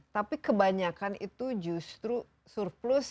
tapi kebanyakan itu justru surplus